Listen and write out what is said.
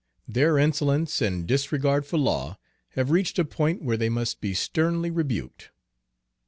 Their insolence and disregard for law have reached a point where they must be sternly rebuked."